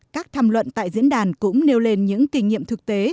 các tham luận tại diễn đàn cũng nêu lên những kinh nghiệm thực tế